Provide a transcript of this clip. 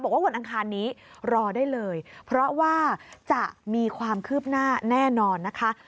วันอังคารนี้รอได้เลยเพราะว่าจะมีความคืบหน้าแน่นอนนะคะ